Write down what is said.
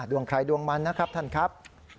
ดวงใครดวงมันนะครับท่านครับ